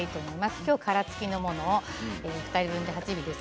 きょうは殻付きのものを２人分で８尾です。